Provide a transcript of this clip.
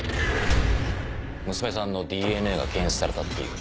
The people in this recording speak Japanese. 娘さんのＤＮＡが検出されたっていう。